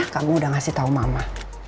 kamu udah ngasih tau mama